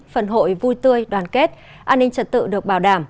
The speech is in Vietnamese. phần hội vui tươi đoàn kết an ninh trật tự được bảo đảm